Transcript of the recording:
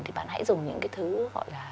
thì bạn hãy dùng những cái thứ gọi là